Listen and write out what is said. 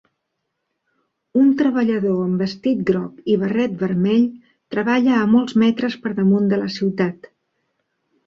Un treballador amb vestit groc i barret vermell treballa a molts metres per damunt de la ciutat.